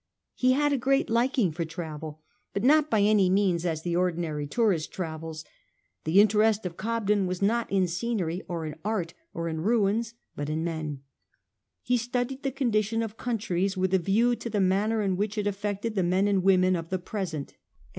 He had a great liking for travel ; but not by any means as the ordinary tourist travels ; the in terest of Cobden was not in scenery, or in art, or in' ruins, but in men. He studied the condition of countries with a view to the manner in which it affected the men and women of the present, and VOL. i. z 3B8 A HISTORY OF OUR OWN TIMES. ch.